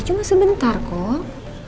cuma sebentar kok